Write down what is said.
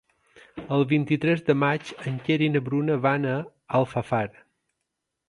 El vint-i-tres de maig en Quer i na Bruna van a Alfafar.